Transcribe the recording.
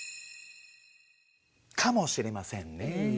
かもしれませんね。